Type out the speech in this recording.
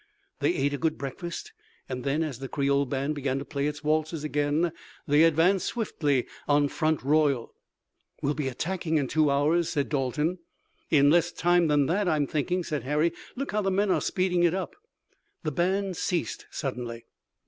They ate a good breakfast, and then, as the Creole band began to play its waltzes again, they advanced swiftly on Front Royal. "We'll be attacking in two hours," said Dalton. "In less time than that, I'm thinking," said Harry. "Look how the men are speeding it up!" The band ceased suddenly.